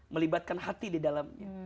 melibatkan hati di dalam